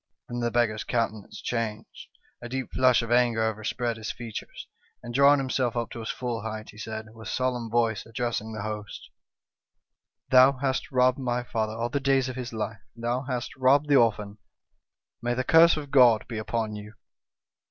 "Then the beggar's countenance changed, a deep flush of anger overspread his features, and drawing himself up to his full height, he said, with solemn voice, addressing the host : "'Thou hast robbed my father all the days of his life, and thou hast robbed the orphan. May the curse of God be upon you